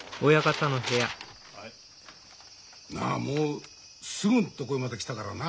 なあもうすぐのところまで来たからな。